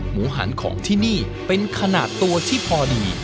หันของที่นี่เป็นขนาดตัวที่พอดี